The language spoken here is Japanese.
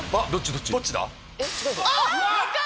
どっちだ？